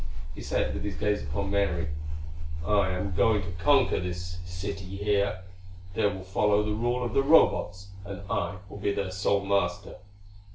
He said, with his gaze upon Mary, "I am going to conquer this city here. There will follow the rule of the Robots and I will be their sole master.